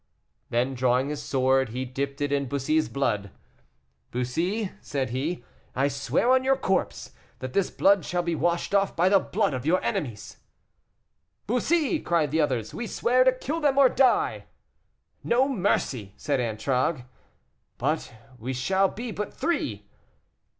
Then, drawing his sword, he dipped it in Bussy's blood. "Bussy," said he, "I swear on your corpse, that this blood shall be washed off by the blood of your enemies." "Bussy," cried the others, "we swear to kill them or die." "No mercy," said Antragues. "But we shall be but three."